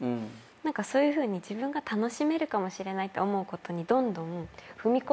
何かそういうふうに自分が楽しめるかもしれないって思うことにどんどん踏み込んでいきたいって。